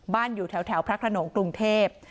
บ้านอยู่แถวพระขนมกรุงเทพฯ